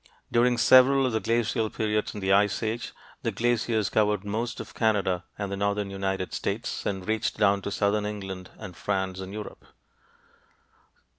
During several of the glacial periods in the Ice Age, the glaciers covered most of Canada and the northern United States and reached down to southern England and France in Europe.